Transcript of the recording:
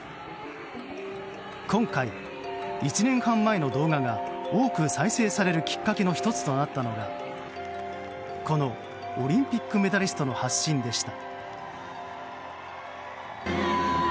今回、１年半前の動画が多く再生されるきっかけの１つとなったのがこのオリンピックメダリストの発信でした。